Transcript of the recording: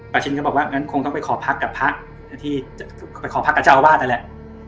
ชินก็บอกว่างั้นคงต้องไปขอพักกับพระที่ไปขอพักกับเจ้าอาวาสนั่นแหละ